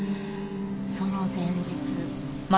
その前日。